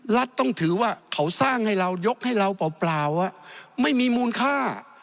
รัฐต้องถือว่าเขาสร้างให้เรายกให้เราเปล่าไม่มีมูลค่า